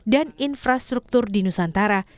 dan infrastruktur di nusantara